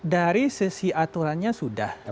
dari sisi aturannya sudah